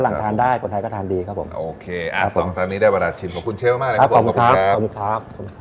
ฝรั่งทานได้คนไทยก็ทานดีครับผมโอเคสองทานนี้ได้ประดาษชิมขอบคุณเชฟมากครับขอบคุณครับ